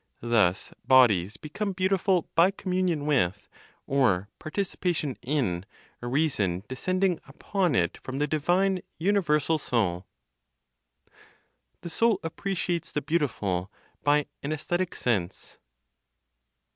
Thus bodies become beautiful by communion with (or, participation in) a reason descending upon it from the divine (universal Soul). THE SOUL APPRECIATES THE BEAUTIFUL BY AN AESTHETIC SENSE.